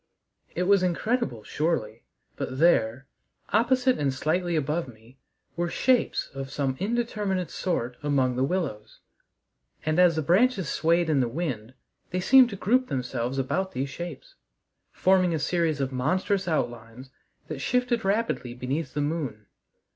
It was incredible, surely, but there, opposite and slightly above me, were shapes of some indeterminate sort among the willows, and as the branches swayed in the wind they seemed to group themselves about these shapes, forming a series of monstrous outlines that shifted rapidly beneath the moon.